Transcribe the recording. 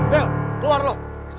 bel keluar lo